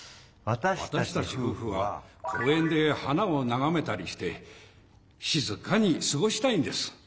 わたしたちふうふは公園で花をながめたりして静かに過ごしたいんです。